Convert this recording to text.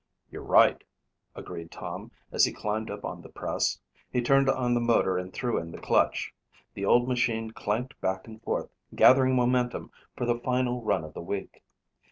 "You're right," agreed Tom as he climbed up on the press. He turned on the motor and threw in the clutch. The old machine clanked back and forth, gathering momentum for the final run of the week.